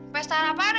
pestaan apaan ya